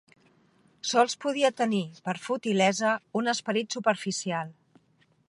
Sols podia tenir per futilesa un esperit superficial.